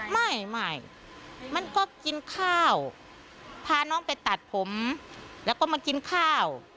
ไม่ไม่มันก็กินข้าวพาน้องไปตัดผมแล้วก็มากินข้าว